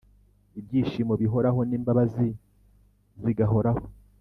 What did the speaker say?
ibyishimo bihoraho n’imbabazi zigahoraho